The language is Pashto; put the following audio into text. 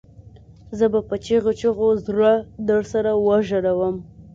زه به په چیغو چیغو زړه درسره وژړوم